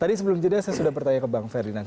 tadi sebelum jeda saya sudah bertanya ke bang ferdinand